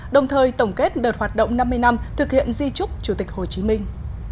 đồng thời tổng kết đợt hoạt động năm mươi năm thực hiện di trúc chủ tịch hồ chí minh